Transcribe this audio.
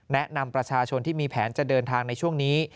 แนะนำประชาชนที่มีแผนจะเดินทางในช่วงนี้